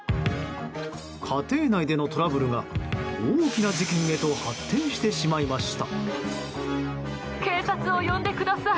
家庭内でのトラブルが大きな事件へと発展してしまいました。